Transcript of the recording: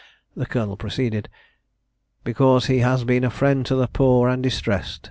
The colonel proceeded] "because he has been a friend to the poor and distressed.